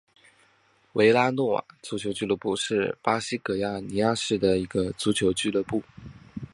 维拉诺瓦足球俱乐部是巴西戈亚尼亚市的一个足球俱乐部。